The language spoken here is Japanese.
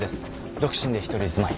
独身で一人住まい。